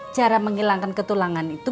cara menghilangkan ketulangan itu